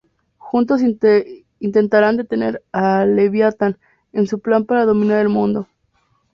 Juntos intentarán detener a Leviatán en su plan para dominar el mundo.